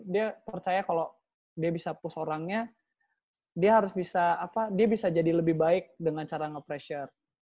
dia percaya kalau dia bisa push orangnya dia harus bisa apa dia bisa jadi lebih baik dengan cara nge pressure